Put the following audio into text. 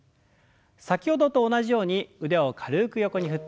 先ほどと同じように腕を軽く横に振って。